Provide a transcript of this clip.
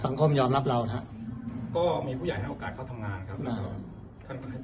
สังคมยอมรับเรานะฮะก็มีผู้ใหญ่ให้โอกาสเข้าทำงานครับ